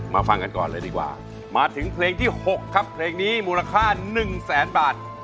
ฟังกันก่อนเลยดีกว่ามาถึงเพลงที่๖ครับเพลงนี้มูลค่า๑แสนบาท